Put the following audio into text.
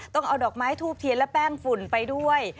ต้องเอาดอกไม้ทูบเทียนและแป้งฝุ่นไปด้วย